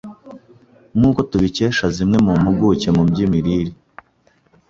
Nk’uko tubikesha zimwe mu mpuguke mu by’imirire